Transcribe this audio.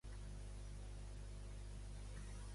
Per què hi haurà una acusació de Torra?